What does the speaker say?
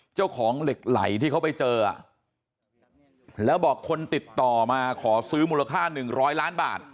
เจ้าของเหล็กไหลที่เขาไปเจอแล้วบอกคนติดต่อมาขอซื้อมูลค่า๑๐๐ล้านบาท